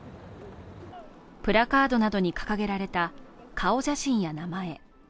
プラカードなどに掲げられた顔写真や名前。